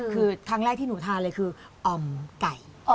คือครั้งแรกที่หนูทานเลยคืออ่อมไก่